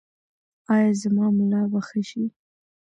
ایا زما ملا به ښه شي؟